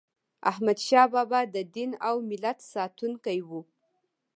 احمدشاه بابا د دین او ملت ساتونکی و.